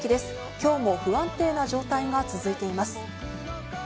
きょうも不安定な状態が続いています。